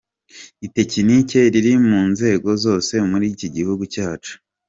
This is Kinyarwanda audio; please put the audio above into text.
Itekinika riri mu nzego zose muri kiguhugu cyacu.